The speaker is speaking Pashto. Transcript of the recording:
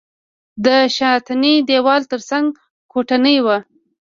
د شاتني دېوال تر څنګ کوټنۍ وه.